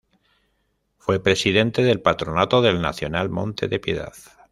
Fue presidente del Patronato del Nacional Monte de Piedad.